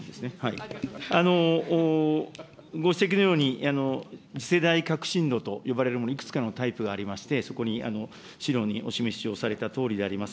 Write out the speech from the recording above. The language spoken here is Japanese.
ご指摘のように、次世代革新炉と呼ばれるもの、いくつかのタイプがありまして、そこに、資料にお示しをされたとおりであります。